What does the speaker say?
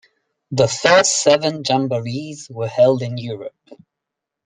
The first seven Jamborees were held in Europe.